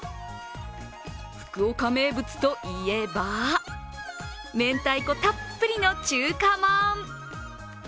福岡名物といえば、明太子たっぷりの中華まん。